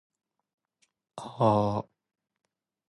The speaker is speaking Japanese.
あー。